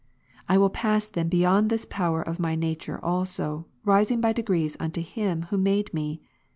I will pass then beyond this power of my nature also, rising by degrees unto Him, who made me.